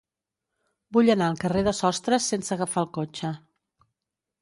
Vull anar al carrer de Sostres sense agafar el cotxe.